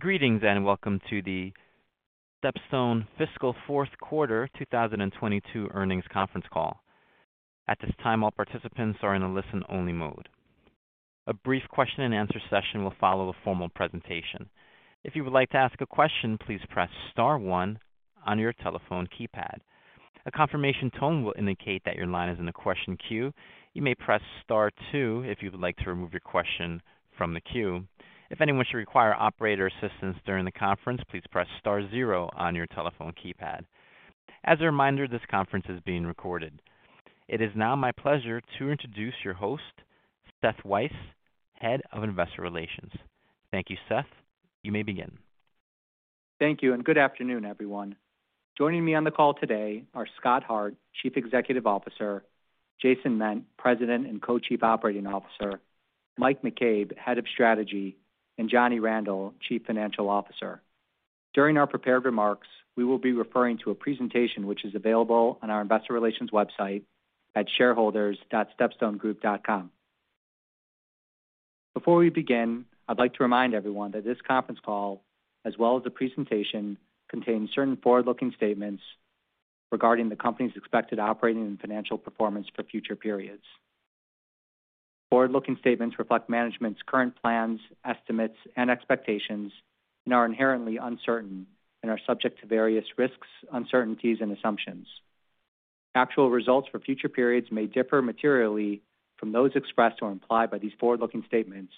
Greetings, and welcome to the StepStone Fiscal Fourth Quarter 2022 Earnings Conference Call. At this time, all participants are in a listen-only mode. A brief question-and-answer session will follow the formal presentation. If you would like to ask a question, please press star one on your telephone keypad. A confirmation tone will indicate that your line is in the question queue. You may press star two if you would like to remove your question from the queue. If anyone should require operator assistance during the conference, please press star zero on your telephone keypad. As a reminder, this conference is being recorded. It is now my pleasure to introduce your host, Seth Weiss, Head of Investor Relations. Thank you, Seth. You may begin. Thank you, and good afternoon, everyone. Joining me on the call today are Scott Hart, Chief Executive Officer, Jason Ment, President and Co-Chief Operating Officer, Mike McCabe, Head of Strategy, and Johnny Randall, Chief Financial Officer. During our prepared remarks, we will be referring to a presentation which is available on our investor relations website at shareholders.stepstonegroup.com. Before we begin, I'd like to remind everyone that this conference call, as well as the presentation, contains certain forward-looking statements regarding the company's expected operating and financial performance for future periods. Forward-looking statements reflect management's current plans, estimates, and expectations and are inherently uncertain and are subject to various risks, uncertainties, and assumptions. Actual results for future periods may differ materially from those expressed or implied by these forward-looking statements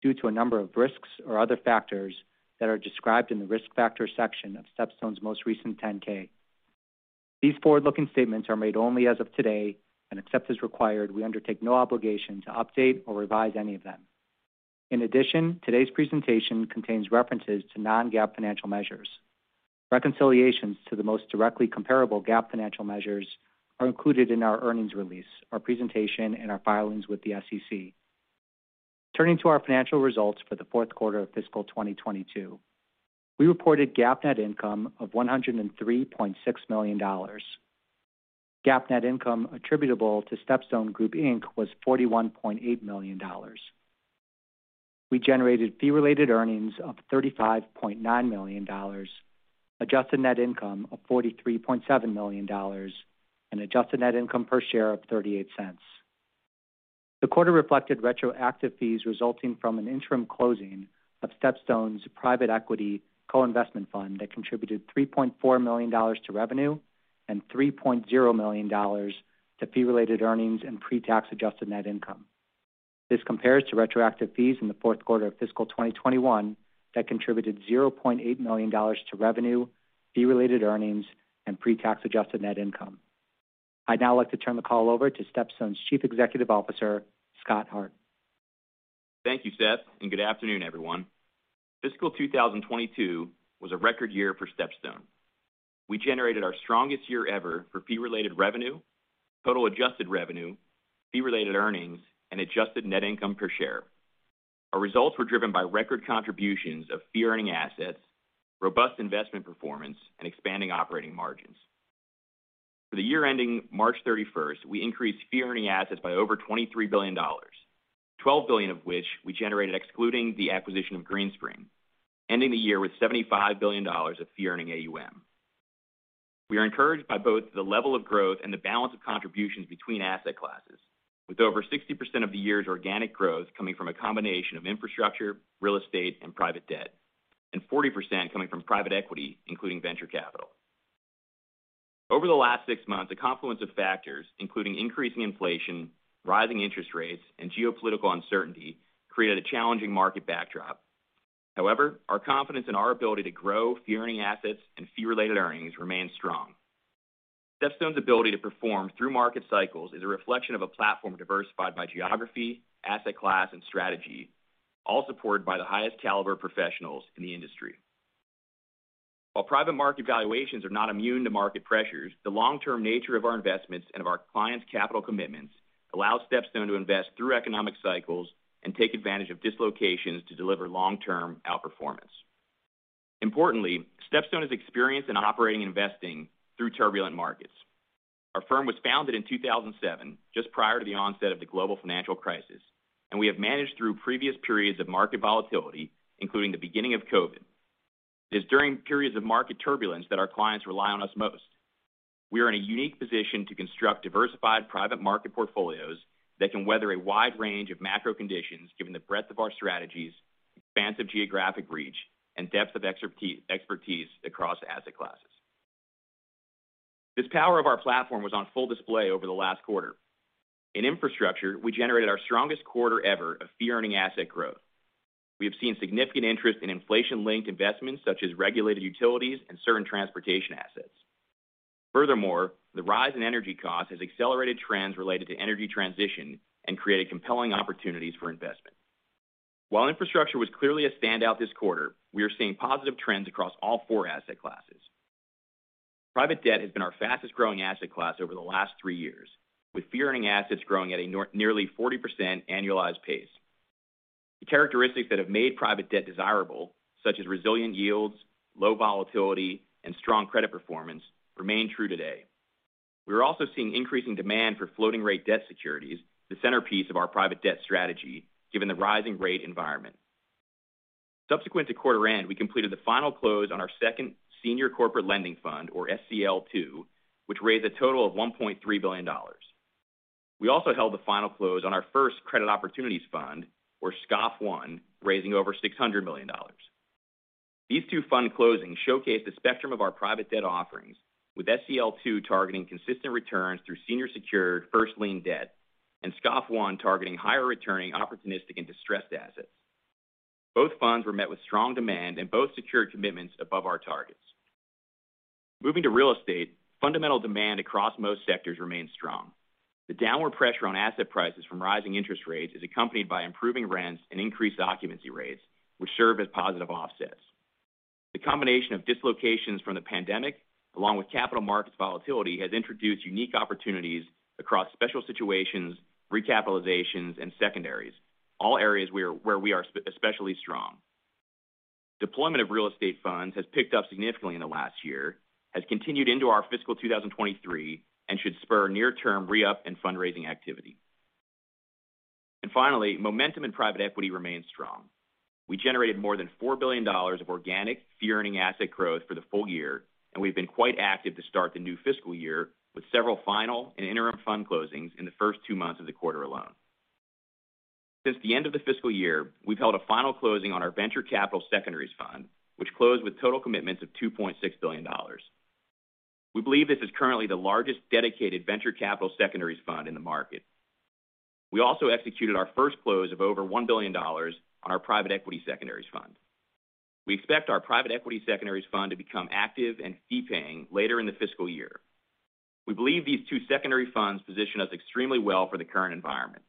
due to a number of risks or other factors that are described in the Risk Factors section of StepStone's most recent 10-K. These forward-looking statements are made only as of today, and except as required, we undertake no obligation to update or revise any of them. In addition, today's presentation contains references to non-GAAP financial measures. Reconciliations to the most directly comparable GAAP financial measures are included in our earnings release, our presentation, and our filings with the SEC. Turning to our financial results for the fourth quarter of fiscal 2022. We reported GAAP net income of $103.6 million. GAAP net income attributable to StepStone Group, Inc. was $41.8 million. We generated fee-related earnings of $35.9 million, adjusted net income of $43.7 million, and adjusted net income per share of $0.38. The quarter reflected retroactive fees resulting from an interim closing of StepStone's private equity co-investment fund that contributed $3.4 million to revenue and $3.0 million to fee-related earnings and pre-tax adjusted net income. This compares to retroactive fees in the fourth quarter of fiscal 2021 that contributed $0.8 million to revenue, fee-related earnings, and pre-tax adjusted net income. I'd now like to turn the call over to StepStone's Chief Executive Officer, Scott Hart. Thank you, Seth, and good afternoon, everyone. Fiscal 2022 was a record year for StepStone. We generated our strongest year ever for fee-related revenue, total adjusted revenue, fee-related earnings, and adjusted net income per share. Our results were driven by record contributions of fee-earning assets, robust investment performance, and expanding operating margins. For the year ending March 31st, we increased fee-earning assets by over $23 billion, $12 billion of which we generated excluding the acquisition of Greenspring, ending the year with $75 billion of fee-earning AUM. We are encouraged by both the level of growth and the balance of contributions between asset classes, with over 60% of the year's organic growth coming from a combination of infrastructure, real estate, and private debt, and 40% coming from private equity, including venture capital. Over the last six months, a confluence of factors, including increasing inflation, rising interest rates, and geopolitical uncertainty, created a challenging market backdrop. However, our confidence in our ability to grow fee-earning assets and fee-related earnings remains strong. StepStone's ability to perform through market cycles is a reflection of a platform diversified by geography, asset class, and strategy, all supported by the highest caliber professionals in the industry. While private market valuations are not immune to market pressures, the long-term nature of our investments and of our clients' capital commitments allows StepStone to invest through economic cycles and take advantage of dislocations to deliver long-term outperformance. Importantly, StepStone is experienced in operating and investing through turbulent markets. Our firm was founded in 2007, just prior to the onset of the global financial crisis, and we have managed through previous periods of market volatility, including the beginning of COVID. It is during periods of market turbulence that our clients rely on us most. We are in a unique position to construct diversified private market portfolios that can weather a wide range of macro conditions, given the breadth of our strategies, expansive geographic reach, and depth of expertise across asset classes. This power of our platform was on full display over the last quarter. In infrastructure, we generated our strongest quarter ever of fee-earning asset growth. We have seen significant interest in inflation-linked investments such as regulated utilities and certain transportation assets. Furthermore, the rise in energy costs has accelerated trends related to energy transition and created compelling opportunities for investment. While infrastructure was clearly a standout this quarter, we are seeing positive trends across all four asset classes. Private Debt has been our fastest-growing asset class over the last three years, with fee-earning assets growing at a nearly 40% annualized pace. The characteristics that have made Private Debt desirable, such as resilient yields, low volatility, and strong credit performance, remain true today. We're also seeing increasing demand for floating-rate debt securities, the centerpiece of our Private Debt strategy, given the rising rate environment. Subsequent to quarter end, we completed the final close on Second Senior Corporate Lending Fund, or SCL II, which raised a total of $1.3 billion. We also held the final close on First Credit Opportunities Fund, or SCOF I, raising over $600 million. These two fund closings showcase the spectrum of our private debt offerings, with SCL II targeting consistent returns through senior secured first lien debt, and SCOF I targeting higher returning opportunistic and distressed assets. Both funds were met with strong demand and both secured commitments above our targets. Moving to real estate, fundamental demand across most sectors remains strong. The downward pressure on asset prices from rising interest rates is accompanied by improving rents and increased occupancy rates, which serve as positive offsets. The combination of dislocations from the pandemic, along with capital markets volatility, has introduced unique opportunities across special situations, recapitalizations, and secondaries, all areas where we are especially strong. Deployment of real estate funds has picked up significantly in the last year, has continued into our fiscal 2023, and should spur near-term re-up and fundraising activity. Finally, momentum in Private Equity remains strong. We generated more than $4 billion of organic fee-earning asset growth for the full year, and we've been quite active to start the new fiscal year, with several final and interim fund closings in the first two months of the quarter alone. Since the end of the fiscal year, we've held a final closing on our Venture Capital Secondaries Fund, which closed with total commitments of $2.6 billion. We believe this is currently the largest dedicated venture capital secondaries fund in the market. We also executed our first close of over $1 billion on our private equity secondaries fund. We expect our private equity secondaries fund to become active and fee-paying later in the fiscal year. We believe these two secondary funds position us extremely well for the current environment.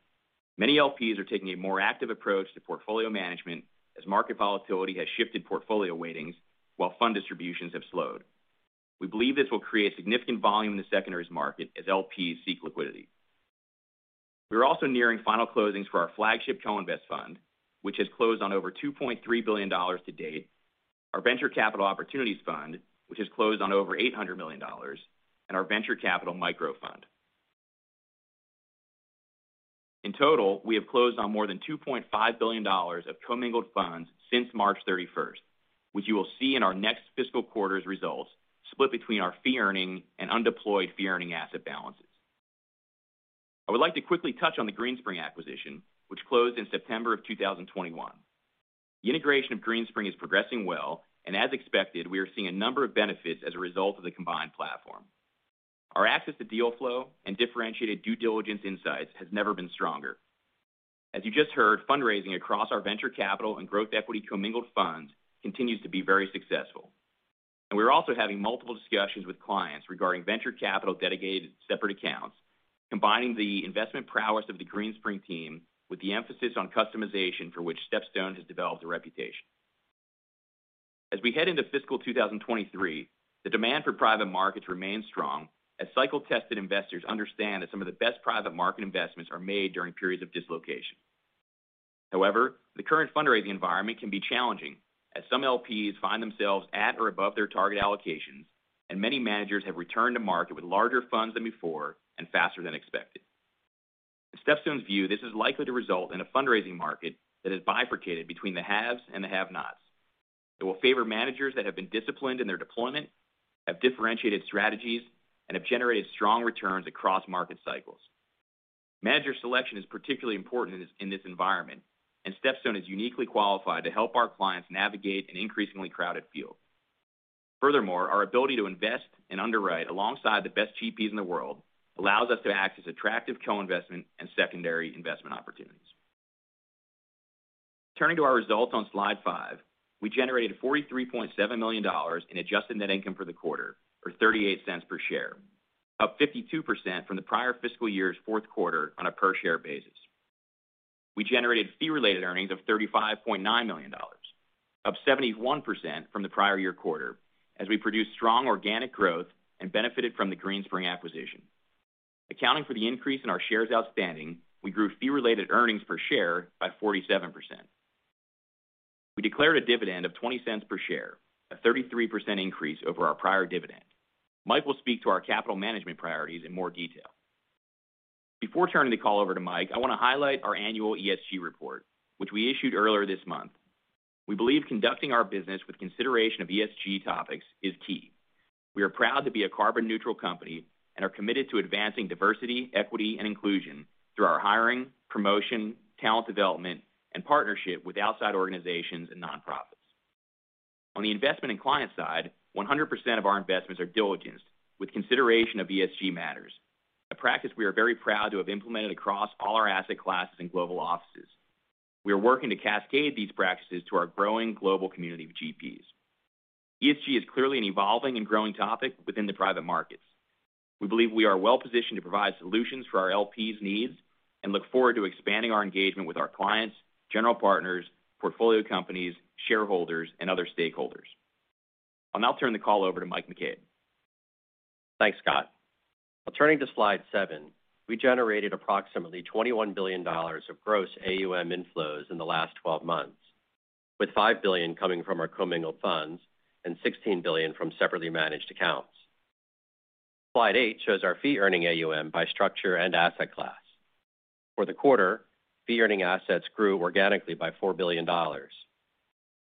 Many LPs are taking a more active approach to portfolio management as market volatility has shifted portfolio weightings while fund distributions have slowed. We believe this will create significant volume in the secondaries market as LPs seek liquidity. We are also nearing final closings for our flagship co-invest fund, which has closed on over $2.3 billion to date, our venture capital opportunities fund, which has closed on over $800 million, and our venture capital micro fund. In total, we have closed on more than $2.5 billion of commingled funds since March 31st, which you will see in our next fiscal quarter's results split between our fee-earning and undeployed fee-earning asset balances. I would like to quickly touch on the Greenspring acquisition, which closed in September of 2021. The integration of Greenspring is progressing well, and as expected, we are seeing a number of benefits as a result of the combined platform. Our access to deal flow and differentiated due diligence insights has never been stronger. As you just heard, fundraising across our venture capital and growth equity commingled funds continues to be very successful. We're also having multiple discussions with clients regarding venture capital dedicated separate accounts, combining the investment prowess of the Greenspring team with the emphasis on customization for which StepStone has developed a reputation. As we head into fiscal 2023, the demand for private markets remains strong, as cycle-tested investors understand that some of the best private market investments are made during periods of dislocation. However, the current fundraising environment can be challenging, as some LPs find themselves at or above their target allocations, and many managers have returned to market with larger funds than before and faster than expected. In StepStone's view, this is likely to result in a fundraising market that has bifurcated between the haves and the have-nots. It will favor managers that have been disciplined in their deployment, have differentiated strategies, and have generated strong returns across market cycles. Manager selection is particularly important in this environment, and StepStone is uniquely qualified to help our clients navigate an increasingly crowded field. Furthermore, our ability to invest and underwrite alongside the best GPs in the world allows us to act as attractive co-investment and secondary investment opportunities. Turning to our results on slide 5, we generated $43.7 million in adjusted net income for the quarter, or $0.38 per share, up 52% from the prior fiscal year's fourth quarter on a per share basis. We generated fee-related earnings of $35.9 million, up 71% from the prior year quarter, as we produced strong organic growth and benefited from the Greenspring acquisition. Accounting for the increase in our shares outstanding, we grew fee-related earnings per share by 47%. We declared a dividend of $0.20 per share, a 33% increase over our prior dividend. Mike will speak to our capital management priorities in more detail. Before turning the call over to Mike, I want to highlight our annual ESG report, which we issued earlier this month. We believe conducting our business with consideration of ESG topics is key. We are proud to be a carbon neutral company and are committed to advancing diversity, equity, and inclusion through our hiring, promotion, talent development, and partnership with outside organizations and nonprofits. On the investment and client side, 100% of our investments are diligenced with consideration of ESG matters, a practice we are very proud to have implemented across all our asset classes and global offices. We are working to cascade these practices to our growing global community of GPs. ESG is clearly an evolving and growing topic within the private markets. We believe we are well-positioned to provide solutions for our LPs' needs and look forward to expanding our engagement with our clients, general partners, portfolio companies, shareholders, and other stakeholders. I'll now turn the call over to Mike McCabe. Thanks, Scott. Turning to slide 7, we generated approximately $21 billion of gross AUM inflows in the last 12 months. With $5 billion coming from our commingled funds and $16 billion from separately managed accounts. Slide 8 shows our fee earning AUM by structure and asset class. For the quarter, fee earning assets grew organically by $4 billion.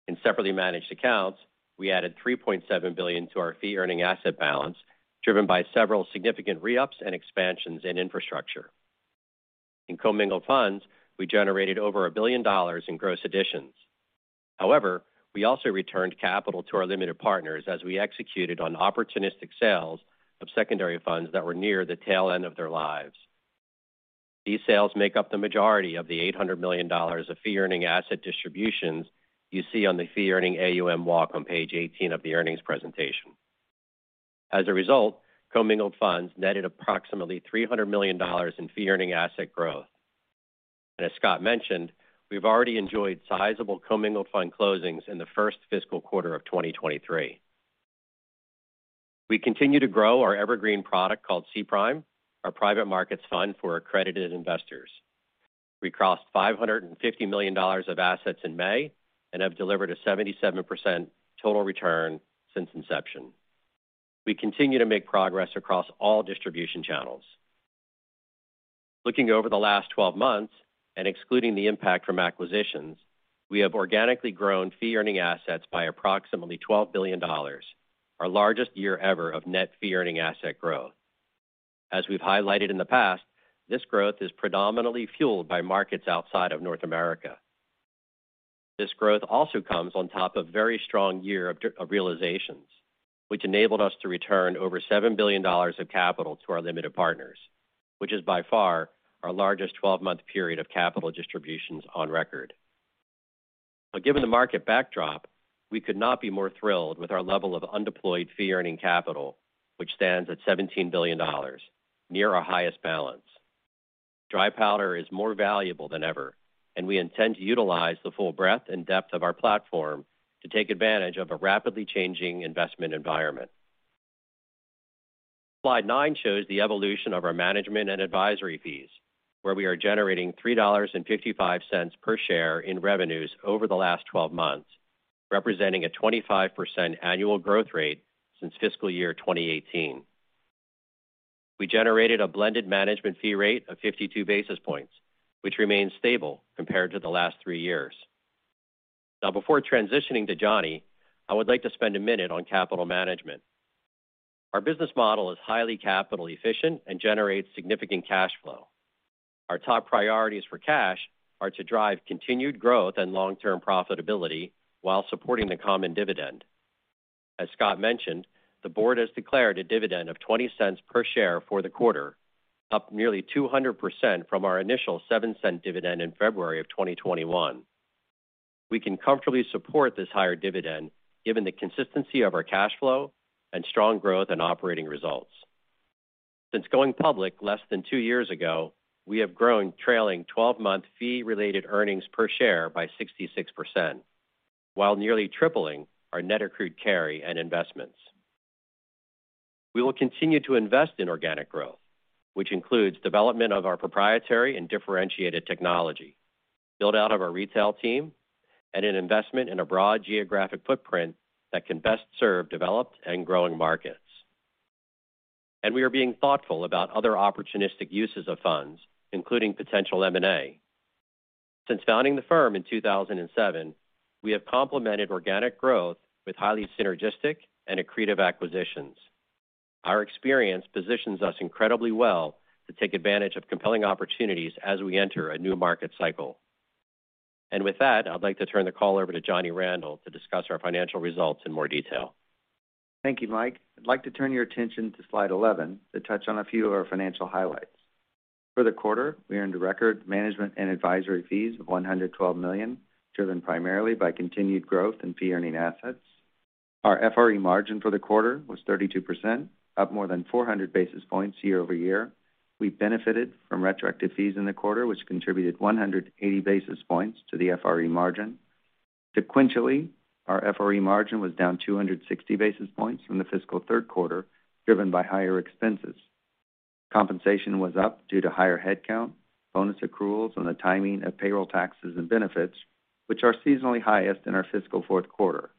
In separately managed accounts, we added $3.7 billion to our fee earning asset balance, driven by several significant re-ups and expansions in infrastructure. In commingled funds, we generated over $1 billion in gross additions. However, we also returned capital to our limited partners as we executed on opportunistic sales of secondary funds that were near the tail end of their lives. These sales make up the majority of the $800 million of fee-earning asset distributions you see on the fee-earning AUM walk on page 18 of the earnings presentation. As a result, commingled funds netted approximately $300 million in fee-earning asset growth. As Scott mentioned, we've already enjoyed sizable commingled fund closings in the first fiscal quarter of 2023. We continue to grow our evergreen product called SeaPrime, our private markets fund for accredited investors. We crossed $550 million of assets in May and have delivered a 77% total return since inception. We continue to make progress across all distribution channels. Looking over the last 12 months, and excluding the impact from acquisitions, we have organically grown fee-earning assets by approximately $12 billion, our largest year ever of net fee-earning asset growth. As we've highlighted in the past, this growth is predominantly fueled by markets outside of North America. This growth also comes on top of very strong year of realizations, which enabled us to return over $7 billion of capital to our limited partners, which is by far our largest 12-month period of capital distributions on record. Given the market backdrop, we could not be more thrilled with our level of undeployed fee-earning capital, which stands at $17 billion, near our highest balance. Dry powder is more valuable than ever, and we intend to utilize the full breadth and depth of our platform to take advantage of a rapidly changing investment environment. Slide 9 shows the evolution of our management and advisory fees, where we are generating $3.55 per share in revenues over the last 12 months, representing a 25% annual growth rate since fiscal year 2018. We generated a blended management fee rate of 52 basis points, which remains stable compared to the last three years. Now before transitioning to Johnny, I would like to spend a minute on capital management. Our business model is highly capital efficient and generates significant cash flow. Our top priorities for cash are to drive continued growth and long-term profitability while supporting the common dividend. As Scott mentioned, the board has declared a dividend of $0.20 per share for the quarter, up nearly 200% from our initial $0.07 dividend in February 2021. We can comfortably support this higher dividend given the consistency of our cash flow and strong growth and operating results. Since going public less than two years ago, we have grown trailing 12-month Fee-Related Earnings per share by 66%, while nearly tripling our net accrued carry and investments. We will continue to invest in organic growth, which includes development of our proprietary and differentiated technology, build out of our retail team, and an investment in a broad geographic footprint that can best serve developed and growing markets. We are being thoughtful about other opportunistic uses of funds, including potential M&A. Since founding the firm in 2007, we have complemented organic growth with highly synergistic and accretive acquisitions. Our experience positions us incredibly well to take advantage of compelling opportunities as we enter a new market cycle. With that, I'd like to turn the call over to Johnny Randel to discuss our financial results in more detail. Thank you, Mike. I'd like to turn your attention to slide 11 to touch on a few of our financial highlights. For the quarter, we earned a record management and advisory fees of $112 million, driven primarily by continued growth in fee earning assets. Our FRE margin for the quarter was 32%, up more than 400 basis points year-over-year. We benefited from retroactive fees in the quarter, which contributed 180 basis points to the FRE margin. Sequentially, our FRE margin was down 260 basis points from the fiscal third quarter, driven by higher expenses. Compensation was up due to higher headcount, bonus accruals on the timing of payroll taxes and benefits, which are seasonally highest in our fiscal fourth quarter.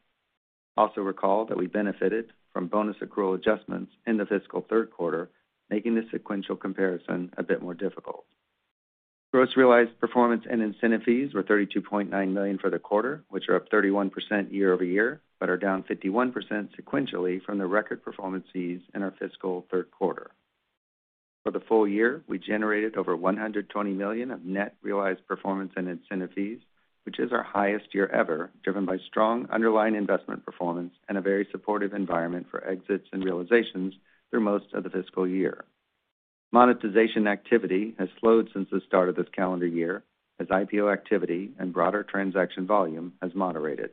Also recall that we benefited from bonus accrual adjustments in the fiscal third quarter, making the sequential comparison a bit more difficult. Gross realized performance and incentive fees were $32.9 million for the quarter, which are up 31% year-over-year, but are down 51% sequentially from the record performance fees in our fiscal third quarter. For the full year, we generated over $120 million of net realized performance and incentive fees, which is our highest year ever, driven by strong underlying investment performance and a very supportive environment for exits and realizations through most of the fiscal year. Monetization activity has slowed since the start of this calendar year as IPO activity and broader transaction volume has moderated.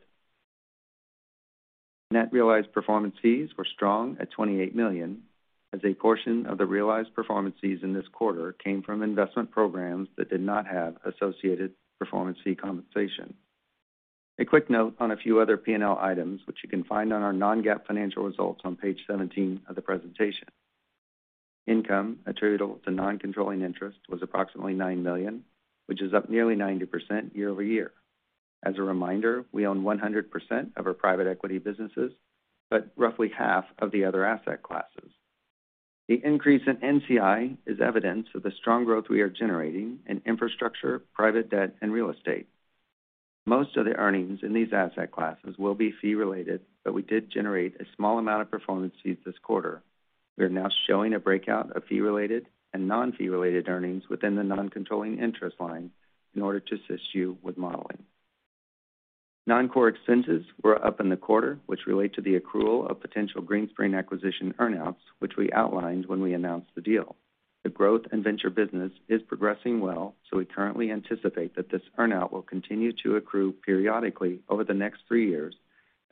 Net realized performance fees were strong at $28 million as a portion of the realized performance fees in this quarter came from investment programs that did not have associated performance fee compensation. A quick note on a few other P&L items, which you can find on our non-GAAP financial results on page 17 of the presentation. Income attributable to non-controlling interest was approximately $9 million, which is up nearly 90% year-over-year. As a reminder, we own 100% of our private equity businesses, but roughly half of the other asset classes. The increase in NCI is evidence of the strong growth we are generating in Infrastructure, Private Debt, and Real Estate. Most of the earnings in these asset classes will be fee-related, but we did generate a small amount of performance fees this quarter. We are now showing a breakout of fee-related and non-fee-related earnings within the non-controlling interest line in order to assist you with modeling. Non-core expenses were up in the quarter, which relate to the accrual of potential Greenspring acquisition earn-outs, which we outlined when we announced the deal. The growth and venture business is progressing well, so we currently anticipate that this earn-out will continue to accrue periodically over the next three years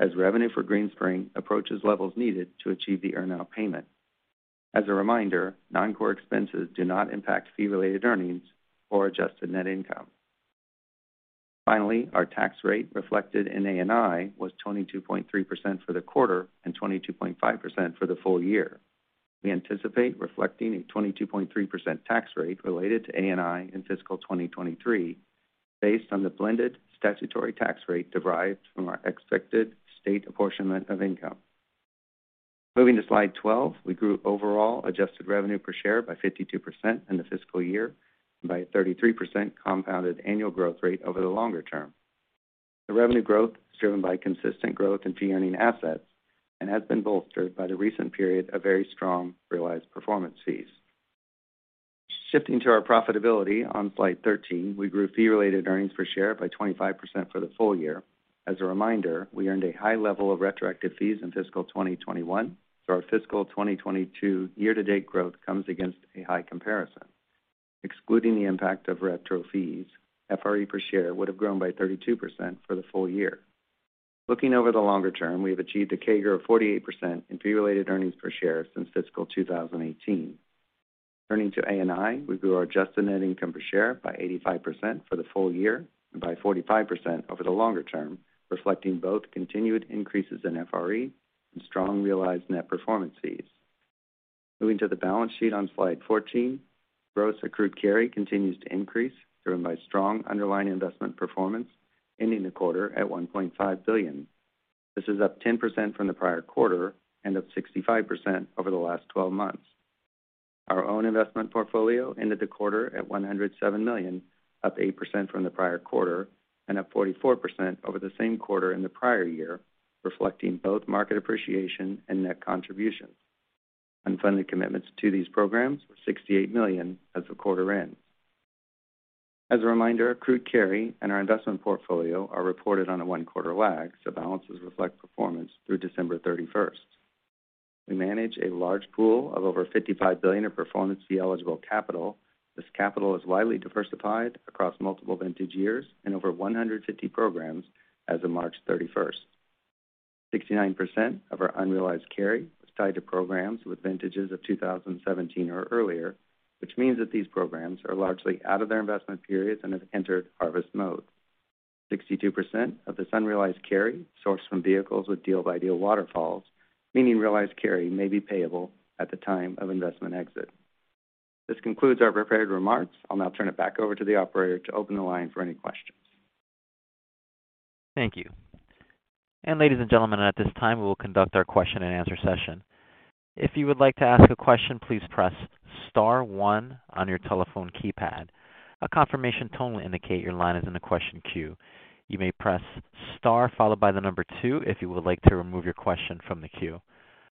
as revenue for Greenspring approaches levels needed to achieve the earn-out payment. As a reminder, non-core expenses do not impact fee-related earnings or adjusted net income. Finally, our tax rate reflected in ANI was 22.3% for the quarter and 22.5% for the full year. We anticipate reflecting a 22.3% tax rate related to ANI in fiscal 2023 based on the blended statutory tax rate derived from our expected state apportionment of income. Moving to slide 12, we grew overall adjusted revenue per share by 52% in the fiscal year and by 33% compounded annual growth rate over the longer term. The revenue growth is driven by consistent growth in fee-earning assets and has been bolstered by the recent period of very strong realized performance fees. Shifting to our profitability on slide 13, we grew fee-related earnings per share by 25% for the full year. As a reminder, we earned a high level of retroactive fees in fiscal 2021, so our fiscal 2022 year-to-date growth comes against a high comparison. Excluding the impact of retro fees, FRE per share would have grown by 32% for the full year. Looking over the longer term, we have achieved a CAGR of 48% in fee-related earnings per share since fiscal 2018. Turning to ANI, we grew our adjusted net income per share by 85% for the full year and by 45% over the longer term, reflecting both continued increases in FRE and strong realized net performance fees. Moving to the balance sheet on slide 14, gross accrued carry continues to increase, driven by strong underlying investment performance, ending the quarter at $1.5 billion. This is up 10% from the prior quarter and up 65% over the last 12 months. Our own investment portfolio ended the quarter at $107 million, up 8% from the prior quarter and up 44% over the same quarter in the prior year, reflecting both market appreciation and net contributions. Unfunded commitments to these programs were $68 million as the quarter ends. As a reminder, accrued carry and our investment portfolio are reported on a one-quarter lag, so balances reflect performance through December 31st. We manage a large pool of over $55 billion of performance fee eligible capital. This capital is widely diversified across multiple vintage years and over 150 programs as of March 31st. 69% of our unrealized carry was tied to programs with vintages of 2017 or earlier, which means that these programs are largely out of their investment periods and have entered harvest mode. 62% of this unrealized carry sourced from vehicles with deal-by-deal waterfalls, meaning realized carry may be payable at the time of investment exit. This concludes our prepared remarks. I'll now turn it back over to the operator to open the line for any questions. Thank you. Ladies and gentlemen, at this time, we will conduct our question and answer session. If you would like to ask a question, please press star one on your telephone keypad. A confirmation tone will indicate your line is in the question queue. You may press star followed by the number two if you would like to remove your question from the queue.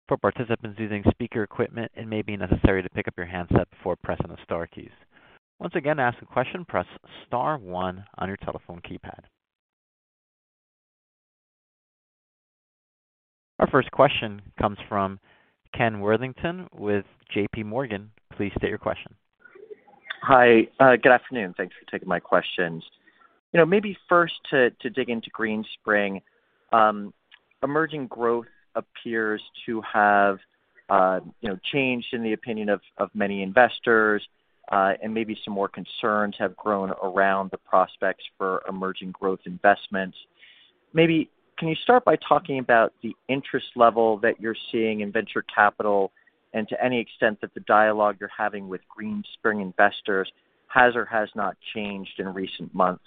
For participants using speaker equipment, it may be necessary to pick up your handset before pressing the star keys. Once again, to ask a question, press star one on your telephone keypad. Our first question comes from Ken Worthington with J.P. Morgan. Please state your question. Hi. Good afternoon. Thanks for taking my questions. You know, maybe first to dig into Greenspring. Emerging growth appears to have, you know, changed in the opinion of many investors, and maybe some more concerns have grown around the prospects for emerging growth investments. Maybe can you start by talking about the interest level that you're seeing in venture capital and to any extent that the dialogue you're having with Greenspring investors has or has not changed in recent months?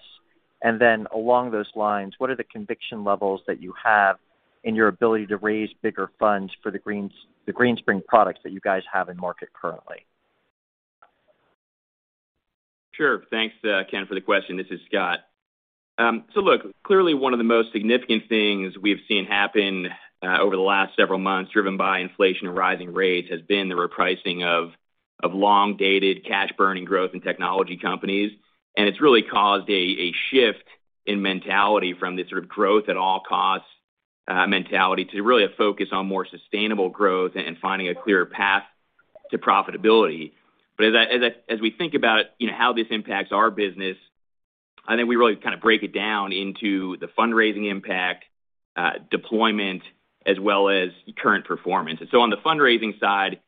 Along those lines, what are the conviction levels that you have in your ability to raise bigger funds for the Greenspring products that you guys have in market currently? Sure. Thanks, Ken, for the question. This is Scott. Look, clearly one of the most significant things we have seen happen over the last several months, driven by inflation and rising rates, has been the repricing of long-dated cash burning growth in technology companies. It's really caused a shift in mentality from the sort of growth at all costs mentality to really a focus on more sustainable growth and finding a clearer path to profitability. As we think about, you know, how this impacts our business, I think we really kind of break it down into the fundraising impact, deployment, as well as current performance. On the fundraising side,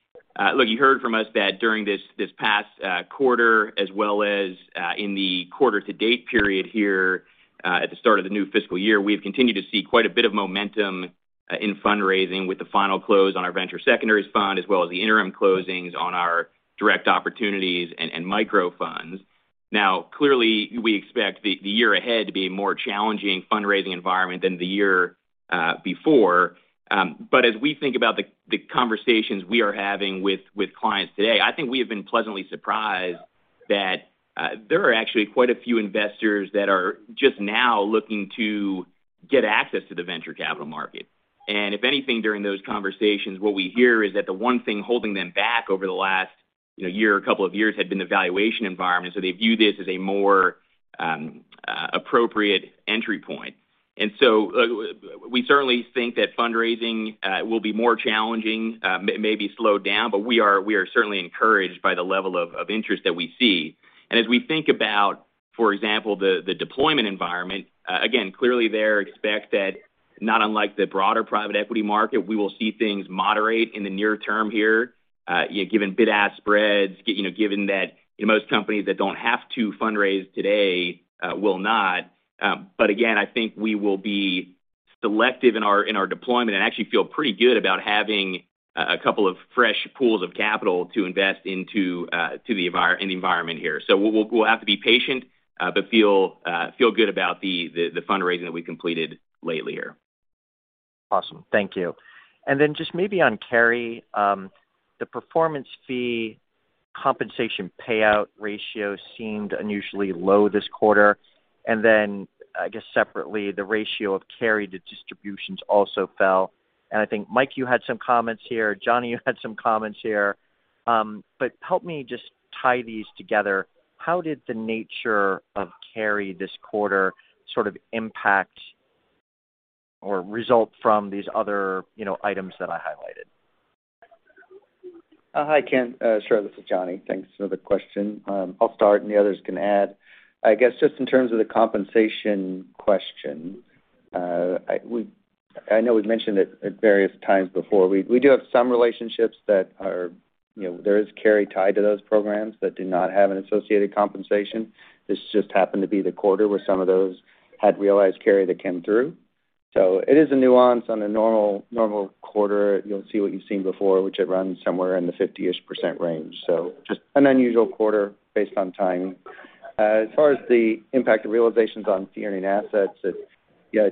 look, you heard from us that during this past quarter as well as in the quarter to date period here at the start of the new fiscal year, we've continued to see quite a bit of momentum in fundraising with the final close on our Venture Secondaries Fund, as well as the interim closings on our direct opportunities and micro funds. Now, clearly, we expect the year ahead to be a more challenging fundraising environment than the year before. As we think about the conversations we are having with clients today, I think we have been pleasantly surprised that there are actually quite a few investors that are just now looking to get access to the Venture Capital market. If anything, during those conversations, what we hear is that the one thing holding them back over the last, you know, year or couple of years had been the valuation environment. They view this as a more appropriate entry point. We certainly think that fundraising will be more challenging, may be slowed down, but we are certainly encouraged by the level of interest that we see. As we think about, for example, the deployment environment, again, clearly we expect that not unlike the broader private equity market, we will see things moderate in the near term here, given bid-ask spreads, you know, given that most companies that don't have to fundraise today will not. I think we will be selective in our deployment and actually feel pretty good about having a couple of fresh pools of capital to invest into in the environment here. We'll have to be patient, but feel good about the fundraising that we completed lately here. Awesome. Thank you. Just maybe on carry, the performance fee compensation payout ratio seemed unusually low this quarter. I guess separately, the ratio of carry to distributions also fell. I think, Mike, you had some comments here. Johnny, you had some comments here. Help me just tie these together. How did the nature of carry this quarter sort of impact or result from these other, you know, items that I highlighted? Hi, Ken. Sure, this is Johnny. Thanks for the question. I'll start, and the others can add. I guess, just in terms of the compensation question, I know we've mentioned it at various times before. We do have some relationships that are, you know, there is carry tied to those programs that do not have an associated compensation. This just happened to be the quarter where some of those had realized carry that came through. It is a nuance. On a normal quarter, you'll see what you've seen before, which it runs somewhere in the 50-ish% range. Just an unusual quarter based on timing. As far as the impact of realizations on fee earning assets, it's, you know,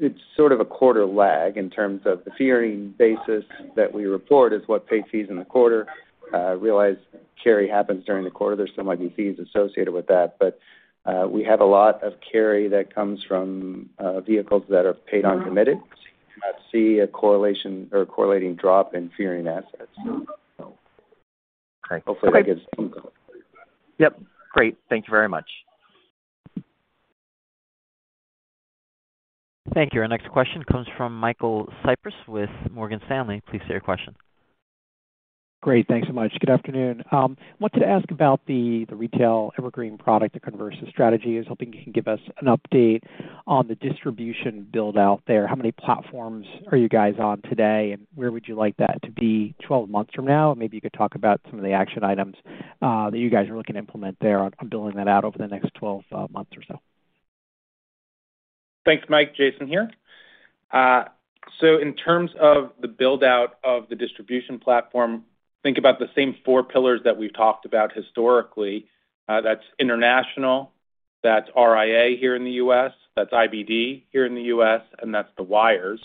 it's sort of a quarter lag in terms of the fee earning basis that we report is what paid fees in the quarter. Realized carry happens during the quarter. There still might be fees associated with that, but we have a lot of carry that comes from vehicles that are paid on committed. I see a correlation or correlating drop in fee earning assets. Hopefully that gives some- Yep. Great. Thank you very much. Thank you. Our next question comes from Michael Cyprys with Morgan Stanley. Please state your question. Great. Thanks so much. Good afternoon. Wanted to ask about the retail Evergreen product, the Conversus strategy. I was hoping you can give us an update on the distribution build out there. How many platforms are you guys on today, and where would you like that to be 12 months from now? Maybe you could talk about some of the action items that you guys are looking to implement there on building that out over the next 12 months or so. Thanks, Mike. Jason here. So in terms of the build out of the distribution platform, think about the same four pillars that we've talked about historically. That's international, that's RIA here in the U.S., that's IBD here in the U.S., and that's the wirehouses.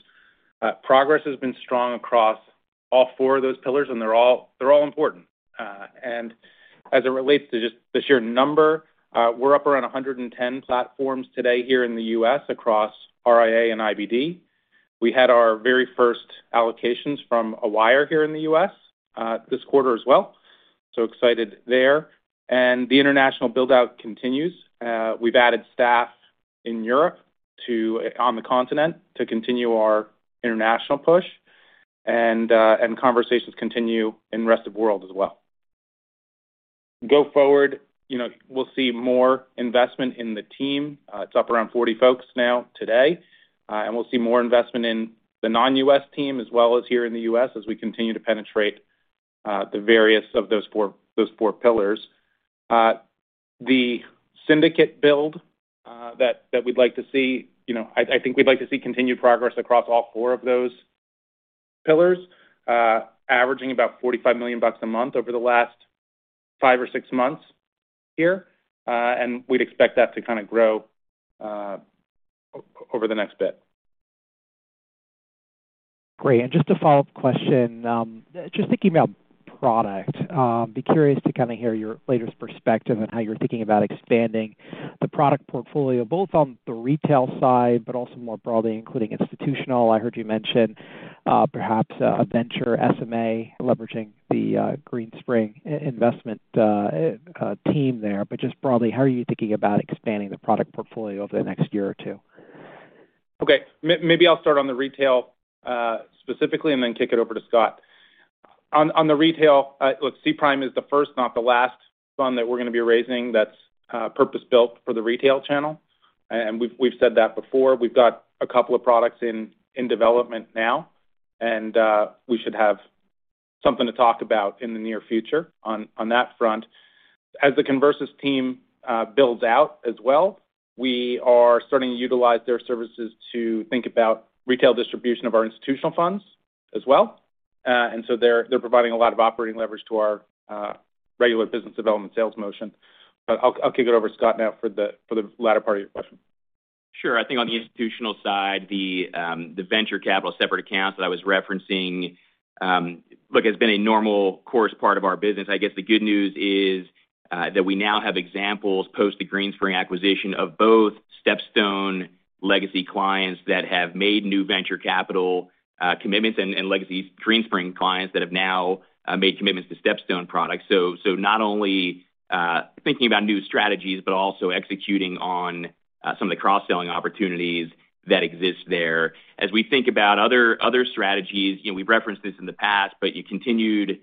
Progress has been strong across all four of those pillars, and they're all important. As it relates to just the sheer number, we're up around 110 platforms today here in the U.S. across RIA and IBD. We had our very first allocations from a wirehouse here in the U.S., this quarter as well, so excited there. The international build out continues. We've added staff in Europe on the continent to continue our international push. Conversations continue in rest of world as well. Going forward, you know, we'll see more investment in the team. It's up around 40 folks now today, and we'll see more investment in the non-U.S. team as well as here in the U.S. as we continue to penetrate the various of those four pillars. The syndicate build that we'd like to see, you know, I think we'd like to see continued progress across all four of those pillars, averaging about $45 million a month over the last five or six months here. We'd expect that to kinda grow over the next bit. Great. Just a follow-up question. Just thinking about product, be curious to kinda hear your latest perspective on how you're thinking about expanding the product portfolio, both on the retail side, but also more broadly, including institutional. I heard you mention, perhaps a venture SMA leveraging the Greenspring investment team there. Just broadly, how are you thinking about expanding the product portfolio over the next year or two? Okay. Maybe I'll start on the retail specifically, and then kick it over to Scott. On the retail, look, SeaPrime is the first, not the last fund that we're gonna be raising that's purpose-built for the retail channel. We've said that before. We've got a couple of products in development now, and we should have something to talk about in the near future on that front. As the Conversus team builds out as well, we are starting to utilize their services to think about retail distribution of our institutional funds as well. They're providing a lot of operating leverage to our regular business development sales motion. I'll kick it over to Scott now for the latter part of your question. Sure. I think on the institutional side, the venture capital separate accounts that I was referencing, look, it's been a normal course part of our business. I guess the good news is that we now have examples post the Greenspring acquisition of both StepStone legacy clients that have made new venture capital commitments and legacy Greenspring clients that have now made commitments to StepStone products. Not only thinking about new strategies, but also executing on some of the cross-selling opportunities that exist there. As we think about other strategies, you know, we've referenced this in the past, but we continued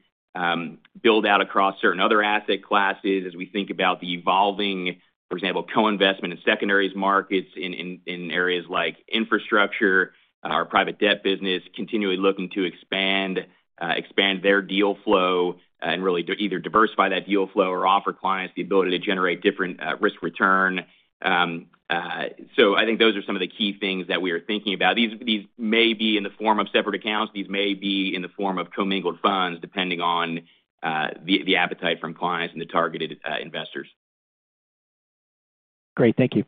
build out across certain other asset classes as we think about the evolving, for example, co-investment in secondaries markets in areas like infrastructure. Our Private Debt business continually looking to expand their deal flow and really to either diversify that deal flow or offer clients the ability to generate different risk return. I think those are some of the key things that we are thinking about. These may be in the form of separate accounts. These may be in the form of Commingled Funds, depending on the appetite from clients and the targeted investors. Great. Thank you.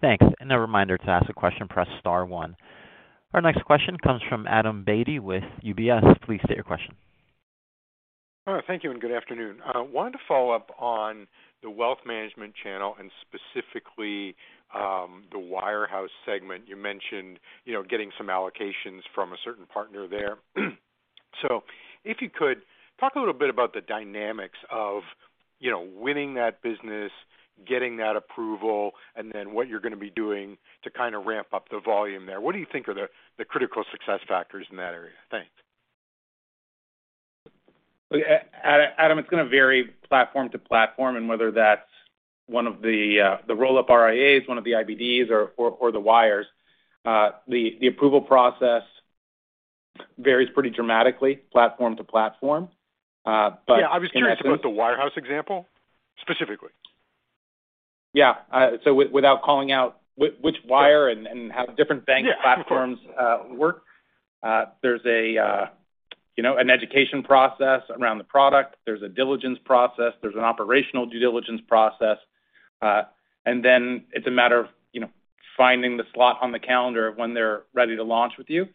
Thanks. A reminder to ask a question, press star one. Our next question comes from Adam Beatty with UBS. Please state your question. All right. Thank you, and good afternoon. I wanted to follow up on the wealth management channel and specifically, the wirehouse segment. You mentioned, you know, getting some allocations from a certain partner there. So if you could, talk a little bit about the dynamics of, you know, winning that business, getting that approval, and then what you're gonna be doing to kinda ramp up the volume there. What do you think are the critical success factors in that area? Thanks. Adam, it's gonna vary platform to platform, and whether that's one of the roll-up RIAs, one of the IBDs or the wires. The approval process varies pretty dramatically platform to platform, but- Yeah, I was curious about the wirehouse example specifically. Yeah. Without calling out which wire and how different bank platforms work, there's you know an education process around the product. There's a diligence process. There's an operational due diligence process. Then it's a matter of you know finding the slot on the calendar of when they're ready to launch with you.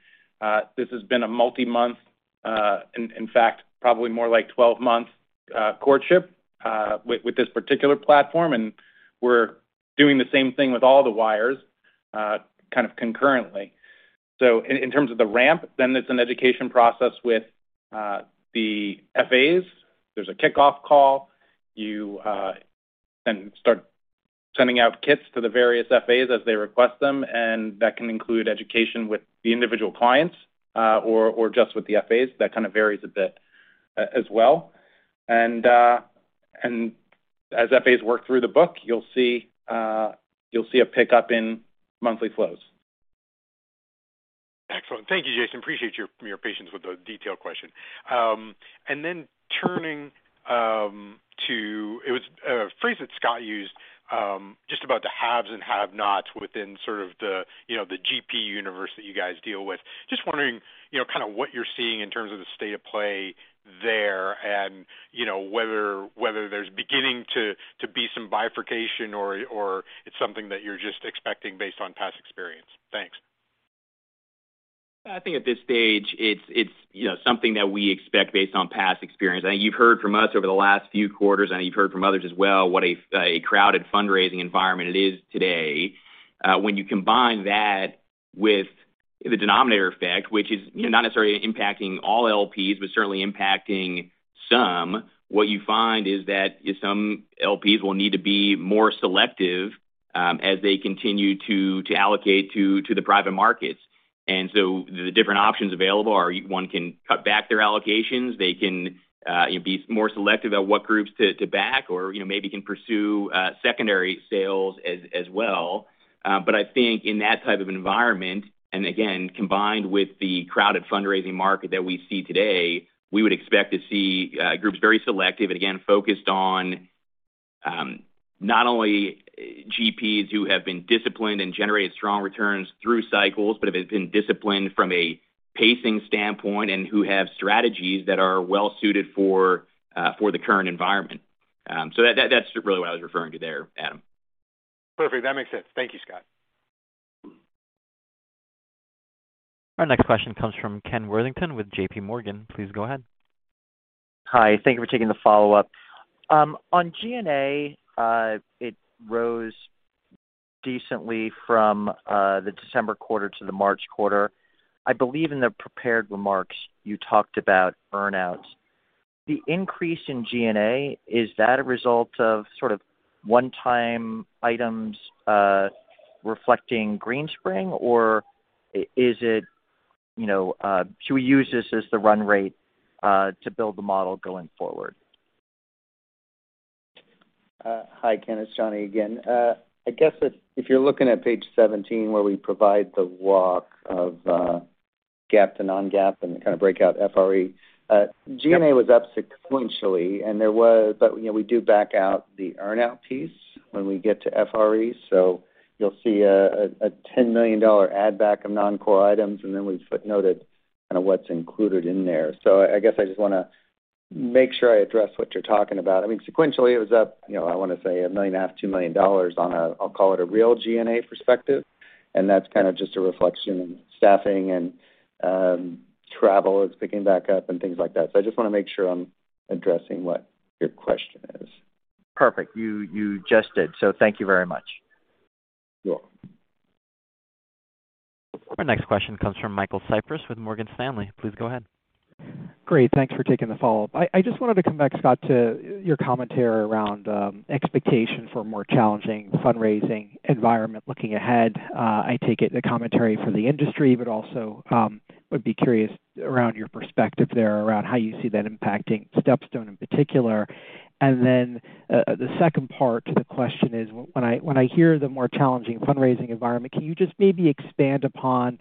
This has been a multi-month, in fact, probably more like 12-month, courtship with this particular platform, and we're doing the same thing with all the wires kind of concurrently. In terms of the ramp, then it's an education process with the FAs. There's a kickoff call. You then start sending out kits to the various FAs as they request them, and that can include education with the individual clients or just with the FAs. That kind of varies a bit as well. As FAs work through the book, you'll see a pickup in monthly flows. Excellent. Thank you, Jason. Appreciate your patience with the detailed question. It was a phrase that Scott used just about the haves and have-nots within sort of the, you know, the GP universe that you guys deal with. Just wondering, you know, kinda what you're seeing in terms of the state of play there and, you know, whether there's beginning to be some bifurcation or it's something that you're just expecting based on past experience. Thanks. I think at this stage it's you know something that we expect based on past experience. I think you've heard from us over the last few quarters, and you've heard from others as well what a crowded fundraising environment it is today. When you combine that with the denominator effect, which is you know not necessarily impacting all LPs, but certainly impacting some, what you find is that some LPs will need to be more selective as they continue to allocate to the private markets. The different options available are one can cut back their allocations. They can be more selective at what groups to back or you know maybe can pursue secondary sales as well. I think in that type of environment, and again, combined with the crowded fundraising market that we see today, we would expect to see groups very selective, again, focused on not only GPs who have been disciplined and generated strong returns through cycles, but have been disciplined from a pacing standpoint and who have strategies that are well suited for the current environment. That's really what I was referring to there, Adam. Perfect. That makes sense. Thank you, Scott. Our next question comes from Ken Worthington with J.P. Morgan. Please go ahead. Hi. Thank you for taking the follow-up. On G&A, it rose decently from the December quarter to the March quarter. I believe in the prepared remarks you talked about earn-outs. The increase in G&A, is that a result of sort of one-time items reflecting Greenspring, or is it, you know, should we use this as the run rate to build the model going forward? Hi, Ken. It's Johnny again. I guess if you're looking at page 17 where we provide the walk of GAAP to non-GAAP and kind of break out FRE. G&A was up sequentially, and there was, you know, we do back out the earn-out piece when we get to FRE, so you'll see a $10 million add back of non-core items, and then we footnoted kinda what's included in there. I guess I just wanna make sure I address what you're talking about. I mean, sequentially, it was up, you know, I wanna say a million after a million dollars on a, I'll call it a real G&A perspective, and that's kinda just a reflection in staffing and, travel is picking back up and things like that. I just wanna make sure I'm addressing what your question is. Perfect. You just did. Thank you very much. Sure. Our next question comes from Michael Cyprys with Morgan Stanley. Please go ahead. Great. Thanks for taking the follow-up. I just wanted to come back, Scott, to your commentary around expectation for more challenging fundraising environment looking ahead. I take it the commentary from the industry, but also would be curious around your perspective there around how you see that impacting StepStone in particular. Then the second part to the question is, when I hear the more challenging fundraising environment, can you just maybe expand upon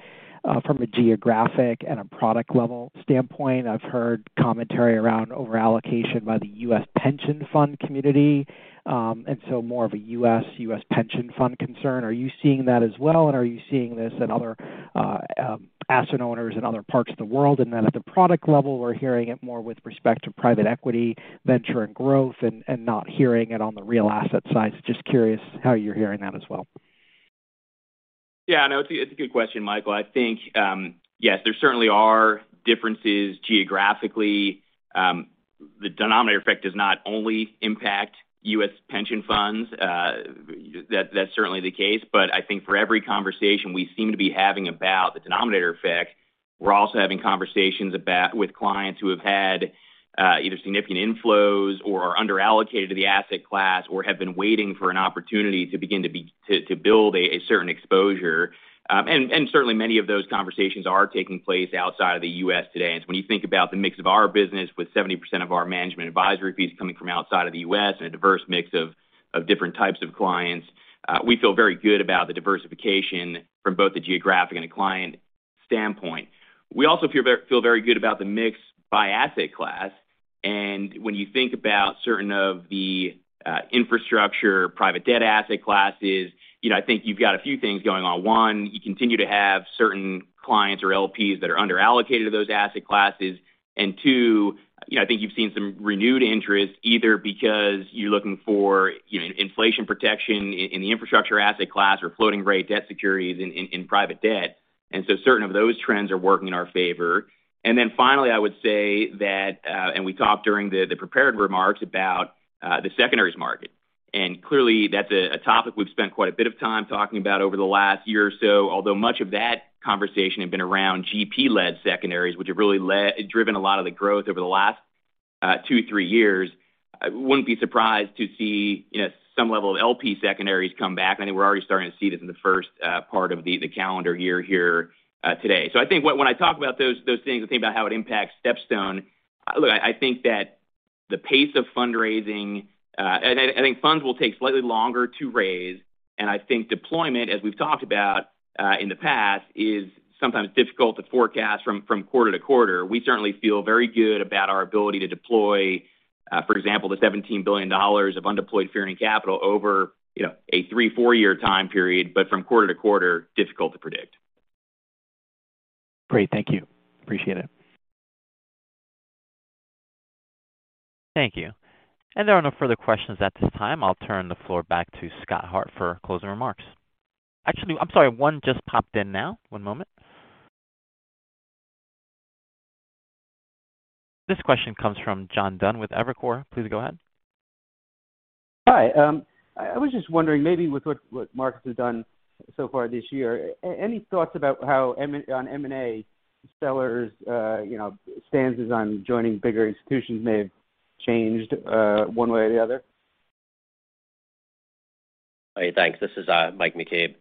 from a geographic and a product level standpoint? I've heard commentary around over-allocation by the U.S. pension fund community, and so more of a U.S. pension fund concern. Are you seeing that as well, and are you seeing this in other asset owners in other parts of the world? At the product level, we're hearing it more with respect to private equity, venture, and growth, and not hearing it on the real asset side. Just curious how you're hearing that as well. Yeah, no, it's a good question, Michael. I think yes, there certainly are differences geographically. The denominator effect does not only impact U.S. pension funds. That's certainly the case, but I think for every conversation we seem to be having about the denominator effect, we're also having conversations about with clients who have had either significant inflows or are under-allocated to the asset class or have been waiting for an opportunity to begin to build a certain exposure. Certainly many of those conversations are taking place outside of the U.S. today. When you think about the mix of our business with 70% of our management advisory fees coming from outside of the U.S. and a diverse mix of different types of clients, we feel very good about the diversification from both the geographic and the client standpoint. We also feel very good about the mix by asset class, and when you think about certain of the infrastructure, private debt asset classes, you know, I think you've got a few things going on. One, you continue to have certain clients or LPs that are under-allocated to those asset classes. Two, you know, I think you've seen some renewed interest either because you're looking for, you know, inflation protection in the infrastructure asset class or floating rate debt securities in private debt. Certain of those trends are working in our favor. Then finally, I would say that we talked during the prepared remarks about the secondaries market. Clearly that's a topic we've spent quite a bit of time talking about over the last year or so. Although much of that conversation had been around GP-led secondaries, which have really driven a lot of the growth over the last two, three years. I wouldn't be surprised to see, you know, some level of LP-led secondaries come back. I think we're already starting to see this in the first part of the calendar year here today. I think when I talk about those things and think about how it impacts StepStone, look, I think that the pace of fundraising and I think funds will take slightly longer to raise. I think deployment, as we've talked about, in the past, is sometimes difficult to forecast from quarter to quarter. We certainly feel very good about our ability to deploy, for example, the $17 billion of undeployed fee-earning capital over, you know, a 3-4-year time period, but from quarter to quarter, difficult to predict. Great. Thank you. Appreciate it. Thank you. There are no further questions at this time. I'll turn the floor back to Scott Hart for closing remarks. Actually, I'm sorry, one just popped in now. One moment. This question comes from John Dunn with Evercore. Please go ahead. Hi. I was just wondering, maybe with what markets have done so far this year, any thoughts about how M&A sellers, you know, stances on joining bigger institutions may have changed, one way or the other? Hey, thanks. This is Mike McCabe.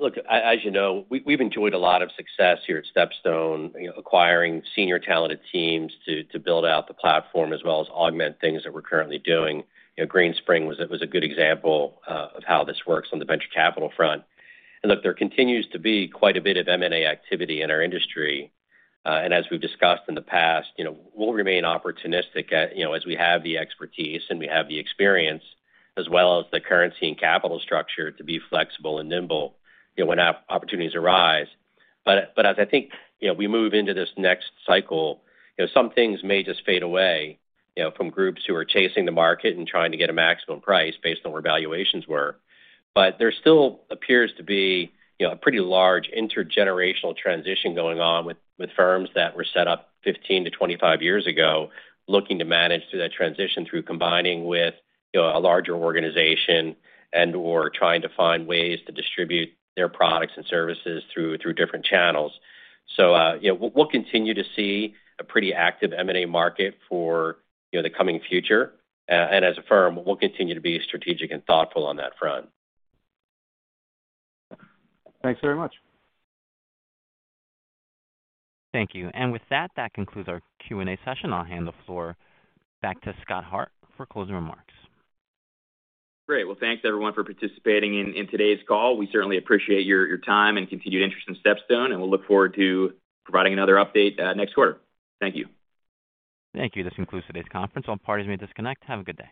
Look, as you know, we've enjoyed a lot of success here at StepStone, you know, acquiring senior talented teams to build out the platform as well as augment things that we're currently doing. You know, Greenspring was a good example of how this works on the venture capital front. Look, there continues to be quite a bit of M&A activity in our industry, and as we've discussed in the past, you know, we'll remain opportunistic, you know, as we have the expertise and we have the experience as well as the currency and capital structure to be flexible and nimble, you know, when opportunities arise. As I think, you know, we move into this next cycle, you know, some things may just fade away, you know, from groups who are chasing the market and trying to get a maximum price based on where valuations were. There still appears to be, you know, a pretty large intergenerational transition going on with firms that were set up 15-25 years ago, looking to manage through that transition through combining with, you know, a larger organization and/or trying to find ways to distribute their products and services through different channels. You know, we'll continue to see a pretty active M&A market for, you know, the coming future. As a firm, we'll continue to be strategic and thoughtful on that front. Thanks very much. Thank you. With that concludes our Q&A session. I'll hand the floor back to Scott Hart for closing remarks. Great. Well, thanks everyone for participating in today's call. We certainly appreciate your time and continued interest in StepStone, and we'll look forward to providing another update next quarter. Thank you. Thank you. This concludes today's conference. All parties may disconnect. Have a good day.